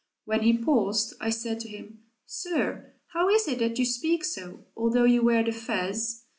When he paused I said to him, "Sir, how is it that you speak so, although you wear the fez?"